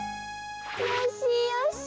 よしよし。